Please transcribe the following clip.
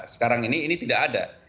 sekarang ini tidak ada